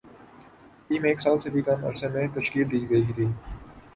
team ایک سال سے بھی کم عرصے میں تشکیل دی گئی تھی